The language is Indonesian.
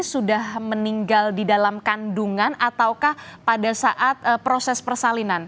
sudah meninggal di dalam kandungan ataukah pada saat proses persalinan